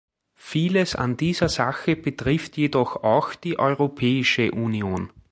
Vieles an dieser Sache betrifft jedoch auch die Europäische Union.